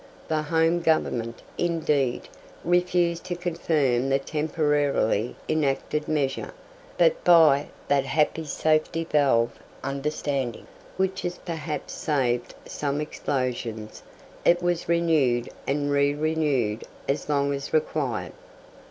The Home Government, indeed, refused to confirm the temporarily enacted measure; but by that happy safety valve understanding, which has perhaps saved some explosions, it was renewed and re renewed as long as required.